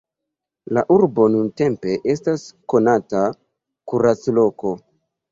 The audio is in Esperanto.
La urbo nuntempe estas konata kuracloko.